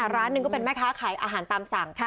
ร้านหนึ่งก็เป็นแม่ค้าขายอาหารตามสั่ง